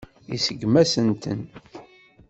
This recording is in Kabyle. Iseggem-asent-ten.